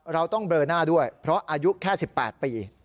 เราต้องเบลอหน้าด้วยเพราะอายุแค่๑๘ปี